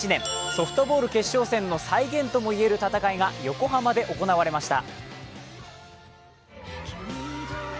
ソフトボール決勝戦の再現とも言える戦いが横浜で行われました。